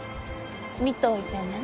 見といてね。